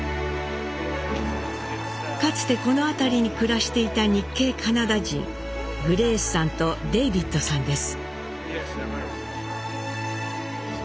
かつてこの辺りに暮らしていた日系カナダ人グレースさんとデイビッドさんです。